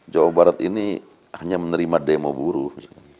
jawa barat ini hanya menerima demo buruh